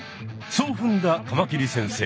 そうふんだカマキリ先生。